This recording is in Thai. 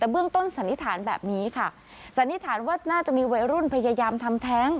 แต่เบื้องต้นสันนิษฐานแบบนี้ค่ะสันนิษฐานว่าน่าจะมีวัยรุ่นพยายามทำแท้ง